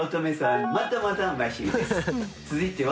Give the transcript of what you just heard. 続いては。